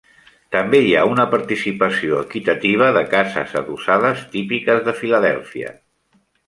També hi ha una participació equitativa de cases adossades típiques de Filadèlfia.